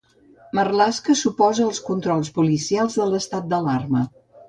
Marlaska s'oposa als controls policials de l'estat d'alarma